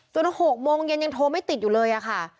จนต้นหกโมงเย็นโทรไม่ติดอยู่เลยอะค่ะ